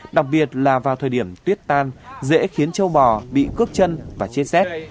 đặc biệt là vào thời điểm tuyết tan dễ khiến châu bò bị cướp chân và chết rét